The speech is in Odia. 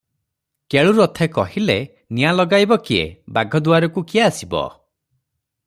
କେଳୁ ରଥେ କହିଲେ, "ନିଆଁ ଲଗାଇବ କିଏ, ବାଘଦୁଆରକୁ କିଏ ଆସିବ ।